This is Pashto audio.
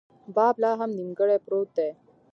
باب لا هم نیمګړۍ پروت دی.